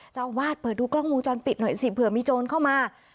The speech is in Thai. เจ้าอาวาสเปิดดูกล้องวงจรปิดหน่อยสิเผื่อมีโจรเข้ามา